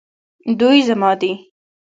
دوی زما دي